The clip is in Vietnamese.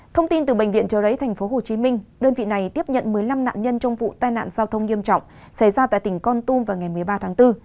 thông tin từ bệnh viện trợ rẫy tp hcm đơn vị này tiếp nhận một mươi năm nạn nhân trong vụ tai nạn giao thông nghiêm trọng xảy ra tại tỉnh con tum vào ngày một mươi ba tháng bốn